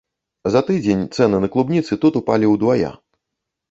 За тыдзень цэны на клубніцы тут упалі ўдвая.